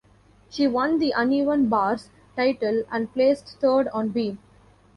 She won the uneven bars title and placed third on beam.